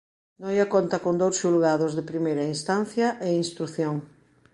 Noia conta con dous Xulgados de Primeira Instancia e Instrución.